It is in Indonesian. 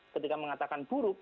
ketika mengatakan buruk